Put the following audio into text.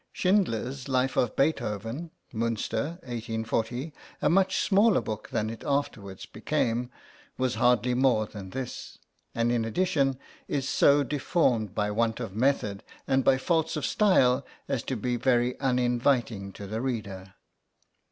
Schindler's Life of Beethoven (Münster, 1840 a much smaller book than it afterwards became) was hardly more {PREFACE.} than this, and in addition is so deformed by want of method and by faults of style as to be very uninviting to the reader.